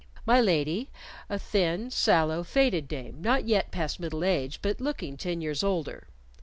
My Lady, a thin, sallow, faded dame, not yet past middle age, but looking ten years older.